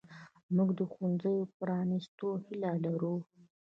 موږ د ښوونځیو پرانیستو هیله لرو.